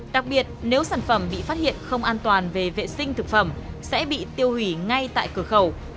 đặc biệt nếu sản phẩm bị phát hiện không an toàn về vệ sinh thực phẩm sẽ bị tiêu hủy ngay tại cửa khẩu